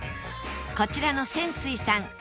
こちらの千翠さん